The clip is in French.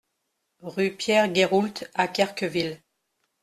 Rue Pierre Guéroult à Querqueville